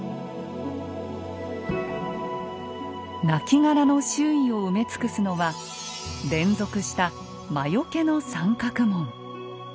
なきがらの周囲を埋め尽くすのは連続した魔よけの三角文。